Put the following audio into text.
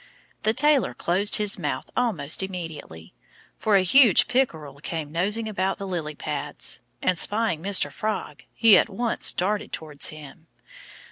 The tailor closed his mouth almost immediately. For a huge pickerel came nosing among the lily pads. And spying Mr. Frog, he at once darted towards him.